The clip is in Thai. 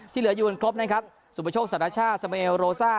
ที่เหลืออยู่กันครบนะครับสุดประโยชน์สัตว์ราชาสเมลโรซ่า